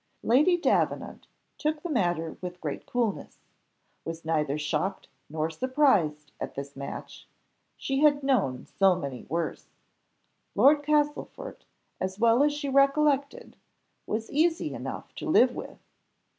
Lady Davenant took the matter with great coolness, was neither shocked nor surprised at this match, she had known so many worse; Lord Castlefort, as well as she recollected, was easy enough to live with.